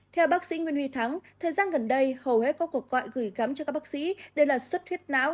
theo bác sĩ nguyễn huy thắng thời gian gần đây hầu hết các cuộc gọi gửi gắm cho các bác sĩ đều là suất huyết não